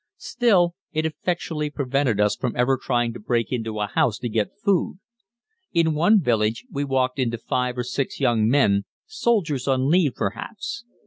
Still, it effectually prevented us from ever trying to break into a house to get food. In one village we walked into five or six young men, soldiers on leave perhaps.